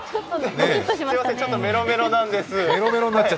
すみません、ちょっとメロメロなんです。